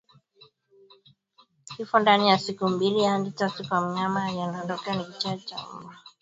Kifo ndani ya siku mbili hadi tatu kwa mnyama aliyedondoka ni kichaa cha mbwa